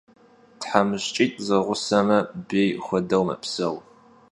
Themışç'it' zeğuseme, bêy xuedeu mepseu.